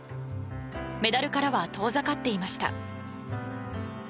メダルからは遠ざかっていました。